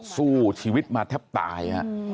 สู้ชีวิตมาแทบตาย